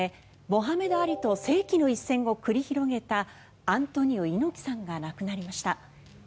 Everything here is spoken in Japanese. モハメド・アリと世紀の一戦を繰り広げたアントニオ猪木さんが亡くなりました。